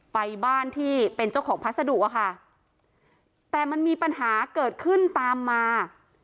ไปบ้านที่เป็นเจ้าของพัสดุอะค่ะแต่มันมีปัญหาเกิดขึ้นตามมา